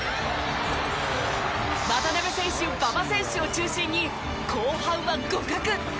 渡邊選手、馬場選手を中心に後半は互角！